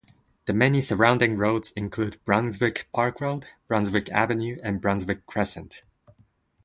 The many surrounding roads include Brunswick Park Road, Brunswick Avenue and Brunswick Crescent.